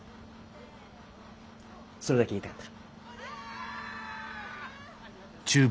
それだけ言いたかった。